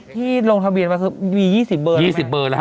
ที่ลงทะเบียนว่ามี๒๐เบอร์